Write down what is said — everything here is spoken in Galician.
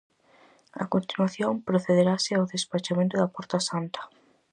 A continuación procederase ao despechamento da Porta Santa.